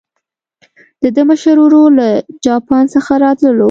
د ده مشر ورور له جاپان څخه راتللو.